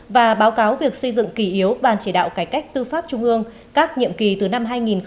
và báo cáo việc xây dựng kỳ yếu ban chỉ đạo cải cách tư pháp trung ương các nhiệm kỳ từ năm hai nghìn hai